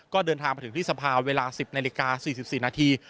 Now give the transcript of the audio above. ก็เดินทางมาถึงที่สภาเวลา๑๐นาฬิกา๔๔นาที